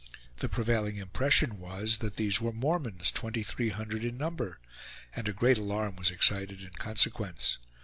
The prevailing impression was that these were Mormons, twenty three hundred in number; and a great alarm was excited in consequence.